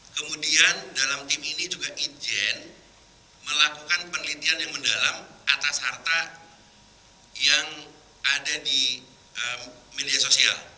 kemudian dalam tim ini juga ijen melakukan penelitian yang mendalam atas harta yang ada di media sosial